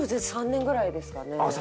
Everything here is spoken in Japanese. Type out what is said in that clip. ３年ぐらいですか。